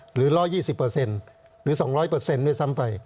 หรือ๑๒๐หรือ๒๐๐ด้วยซ้ำไป